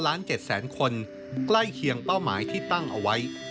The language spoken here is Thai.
ล้าน๗แสนคนใกล้เคียงเป้าหมายที่ตั้งเอาไว้